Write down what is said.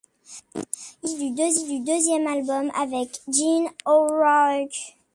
Il s'agit du deuxième album avec Jim O'Rourke.